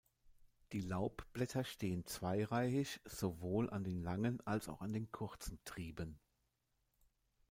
Die Laubblätter stehen zweireihig sowohl an den langen als auch an den kurzen Trieben.